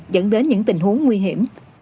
dẫn đến những tình huống nguy hiểm